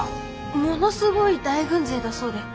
ものすごい大軍勢だそうで。